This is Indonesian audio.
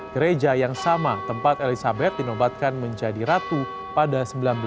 gereja yang sama tempat elizabeth dinobatkan menjadi ratu pada seribu sembilan ratus sembilan puluh